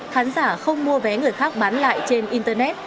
khán giả không mua vé người khác bán lại trên internet